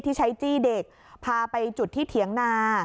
ที่ใช้จี้เด็กพาไปจุดที่เถียงนา